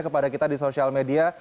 kepada kita di sosial media